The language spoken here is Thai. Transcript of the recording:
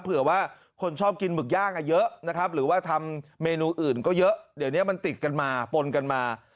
เผื่อว่าคนชอบกินหมึกย่างเยอะนะครับหรือว่าทำเมนูอื่นก็เยอะเดี๋ยวนี้มันติดกันมาปนกันมา